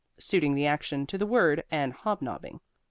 suiting the action to the word, and hobnobbing.